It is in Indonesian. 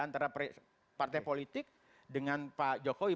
antara partai politik dengan pak jokowi